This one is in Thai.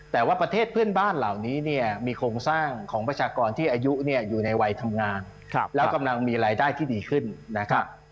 แต่ว่าประเทศเพื่อนบ้านเหล่านี้เนี่ยมีโครงสร้างของประชากรที่อายุเนี่ยอยู่ในวัยทำงานแล้วกำลังมีรายได้ที่ดีขึ้นนะครับ